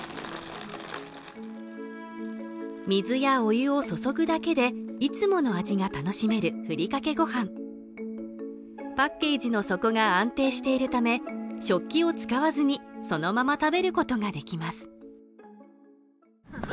水やお湯を注ぐだけでいつもの味が楽しめるふりかけご飯パッケージの底が安定しているため食器を使わずにそのまま食べることができます